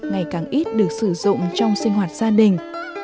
ngày càng ít được sử dụng trong sinh hoạt gia đình